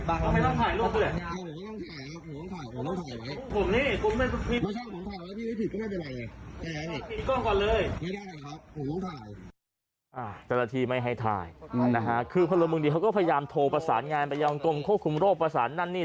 อ่าแต่ละทีไม่ให้ถ่ายนะฮะคือพระรมงดิเขาก็พยายามโทรประสานงานไปยังตรงควบคุมโรคประสานนั้นนี่